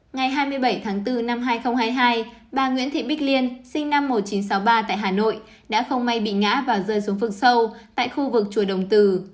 ngày hai mươi bảy tháng bốn năm hai nghìn hai mươi hai bà nguyễn thị bích liên sinh năm một nghìn chín trăm sáu mươi ba tại hà nội đã không may bị ngã và rơi xuống phương sâu tại khu vực chùa đồng từ